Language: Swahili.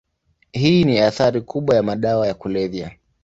Hii ni athari kubwa ya madawa ya kulevya.